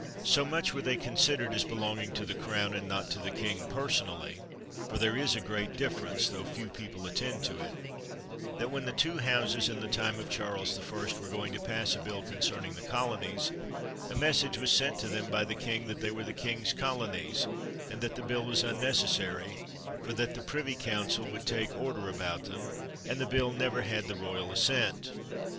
So much were they considered as belonging to the Crown, and not to the king personally (for there is a great difference, tho few people attend 234 MANSFIELD to it), that when the two Houses, in the time of Charles the First, were going to pass a bill concerning the colonies, a message was sent to them by the king that they were the king's colonies, and that the bill was unnecessary, for that the privy council would take order about them; and the bill never had the royal assent.